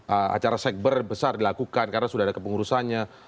atau acara segber besar dilakukan karena sudah ada kepengurusannya